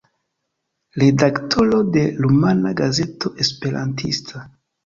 Redaktoro de Rumana Gazeto Esperantista.